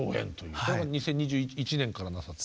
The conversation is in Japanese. これは２０２１年からなさって。